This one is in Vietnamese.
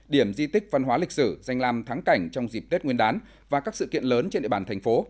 điểm di tích văn hóa lịch sử danh làm thắng cảnh trong dịp tết nguyên đán và các sự kiện lớn trên địa bàn thành phố